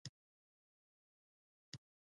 مور او پلار د لارښود څراغونه دي.